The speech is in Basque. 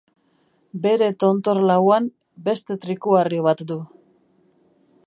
Bere tontor lauan beste trikuharri bat du.